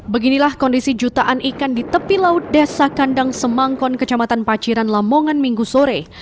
beginilah kondisi jutaan ikan di tepi laut desa kandang semangkon kecamatan paciran lamongan minggu sore